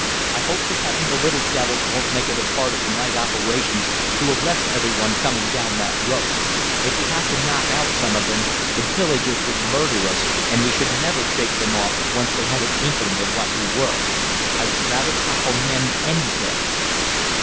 "I hope to heaven the little devils won't make it part of the night operations to arrest every one coming down that road. If we have to knock out some of them, the villagers would murder us; and we should never shake them off, once they had an inkling of what we were; I would rather tackle men any day."